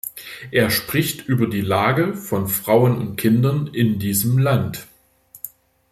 Er spricht über die Lage von Frauen und Kindern in diesem Land.